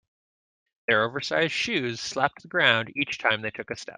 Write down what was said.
Their oversized shoes slapped the ground each time they took a step.